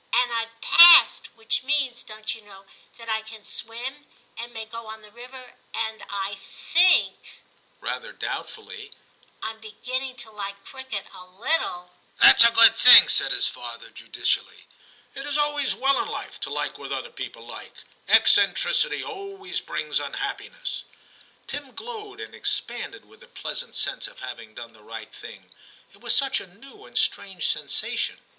And I've "passed," which means, don't you know, that I can swim, and may go on the river, and I think J rather doubtfully, * I'm beginning to like cricket a little/ * That's a good thing,' said his father judicially; 'it is always well in life to like what other people like; eccentricity always brings unhappiness.' Tim glowed and expanded with the pleasant sense of having done the right thing; it was such a new and strange sensation.